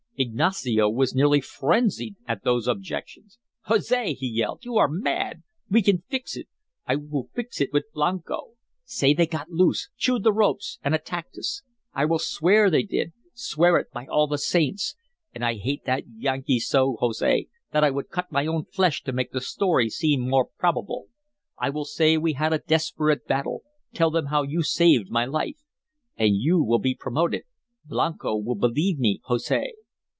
Ignacio was nearly frenzied at those objections. "Jose" he yelled, "you are mad. We can fix it. I will fix it with Blanco. Say they got loose, chewed the ropes, and attacked us. I will swear they did, swear it by all the saints. And I hate that Yankee so, Jose, that I would cut my own flesh to make the story seem more probable. I will say we had a desperate battle tell them how you saved my life. And you will be promoted. Blanco will believe me, Jose."